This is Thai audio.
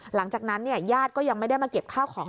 หลังจากนั้นญาติก็ยังไม่ได้มาเก็บข้าวของ